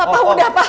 papa udah pak